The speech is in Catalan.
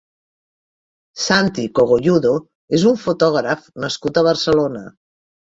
Santi Cogolludo és un fotògraf nascut a Barcelona.